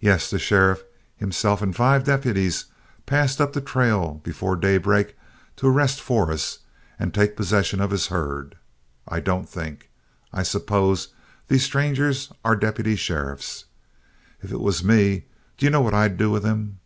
Yes, the sheriff himself and five deputies passed up the trail before daybreak to arrest Forrest and take possession of his herd I don't think. I suppose these strangers are deputy sheriffs? If it was me, do you know what I'd do with them?"